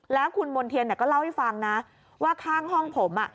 แล้วคุณมณ์เทียนก็เล่าให้ฟังนะว่าข้างห้องผม